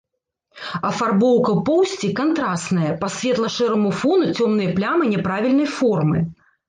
Афарбоўка поўсці кантрасная, па светла-шэраму фону цёмныя плямы няправільнай формы.